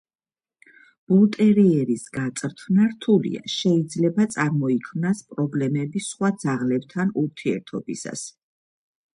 ბულტერიერის გაწვრთნა რთულია, შეიძლება წარმოიქმნას პრობლემები სხვა ძაღლებთან ურთიერთობისას.